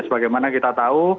sebagaimana kita tahu